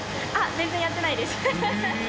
全然やってないです。